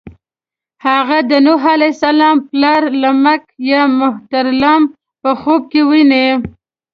هغه د نوح علیه السلام پلار لمک یا مهترلام په خوب کې ويني.